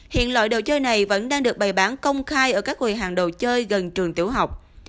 hiện loại đồ chơi này vẫn đang được bày bán công khai ở các quầy hàng đồ chơi gần trường tiểu học